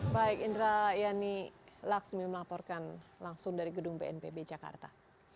baik indra yani laksmi melaporkan langsung dari gedung bnpb jakarta